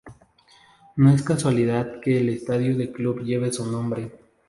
No es casualidad que el estadio del club lleve su nombre.